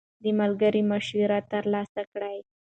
د ملګرو مشوره ترلاسه کړئ.